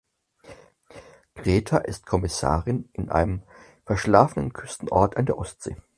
Greta ist Kommissarin in einem verschlafenen Küstenort an der Ostsee.